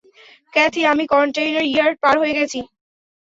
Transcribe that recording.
Kathy, আমি container yard পার হয়ে গেছি।